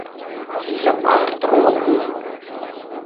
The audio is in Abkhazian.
Изакә аартроузеи?